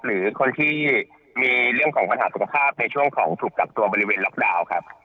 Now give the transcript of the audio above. หรือคนที่มีเรื่องของปัญหาสุขภาพในช่วงของถูกกักตัวบริเวณล็อกดาวน์ครับ